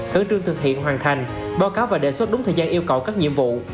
khẩn trương thực hiện hoàn thành báo cáo và đề xuất đúng thời gian yêu cầu các nhiệm vụ